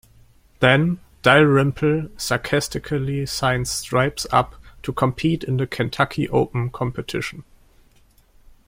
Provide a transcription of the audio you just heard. Then, Dalrymple sarcastically signs Stripes up to compete in the Kentucky Open competition.